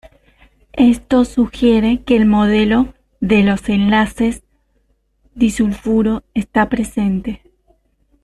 Esto sugiere que el modelo de los enlaces disulfuro está presente.